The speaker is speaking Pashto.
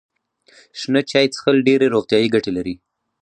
شنه چای څښل ډیرې روغتیايي ګټې لري.